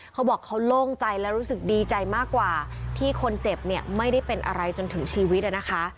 เขาบอกเขาโล่งใจและรู้สึกดีใจมากกว่าที่คนเจ็บเนี่ยไม่ได้เป็นอะไรจนถึงชีวิตนะคะ